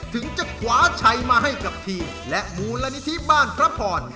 ถึงจะขวาชัยมาให้กับทีมและมูลนิธิบ้านพระพร